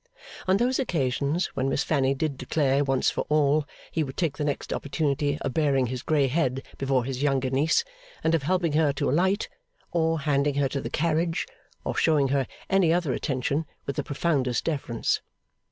On those occasions when Miss Fanny did declare once for all, he would take the next opportunity of baring his grey head before his younger niece, and of helping her to alight, or handing her to the carriage, or showing her any other attention, with the profoundest deference.